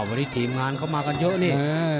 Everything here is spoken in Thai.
วันนี้ทีมงานเข้ามากันเยอะนี่